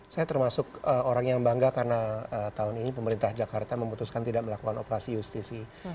saya termasuk orang yang bangga karena tahun ini pemerintah jakarta memutuskan tidak melakukan operasi justisi